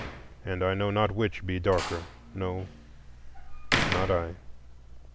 And I know not which be darker,—no, not I.